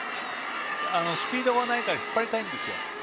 スピードがないから引っ張りたいんですよ。